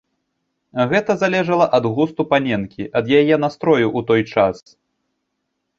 Гэта залежала ад густу паненкі, ад яе настрою ў той час.